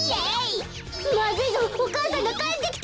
まずいぞお母さんがかえってきた！